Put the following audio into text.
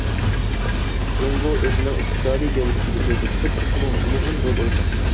جۇڭگو ئۆزىنىڭ ئىقتىسادىي گەۋدىسىنى كۆزدە تۇتۇپ، تېخىمۇ مۇھىم رول ئوينىماقتا.